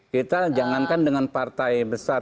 kita jangankan dengan partai besar